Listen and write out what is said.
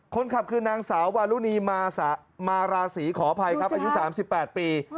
คนขับคือนางสาววารุณีมาราศีขออภัยครับอายุ๓๘ปี